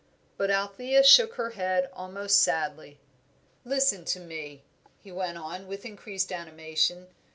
But Althea shook her head almost sadly. "Listen to me," he went on, with increased animation.